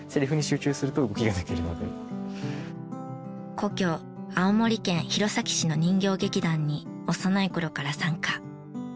故郷青森県弘前市の人形劇団に幼い頃から参加。